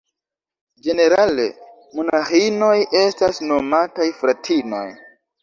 Ĝenerale monaĥinoj estas nomataj "fratinoj".